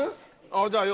じゃあ４